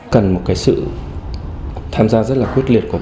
cần một cái sự tham gia rất là quyết liệt